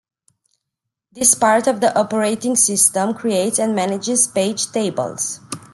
This part of the operating system creates and manages page tables.